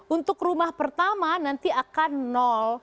untuk rumah pertama nanti akan nol